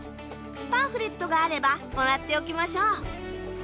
パンフレットがあればもらっておきましょう。